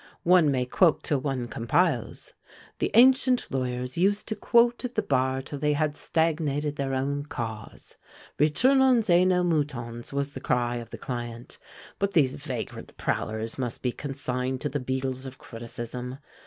One may quote till one compiles. The ancient lawyers used to quote at the bar till they had stagnated their own cause. "Retournons Ã nos moutons," was the cry of the client. But these vagrant prowlers must be consigned to the beadles of criticism.